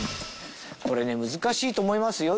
これね難しいと思いますよ